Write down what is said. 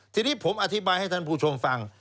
ทีนี้ผมอธิบายให้ท่านผู้ชมฟัง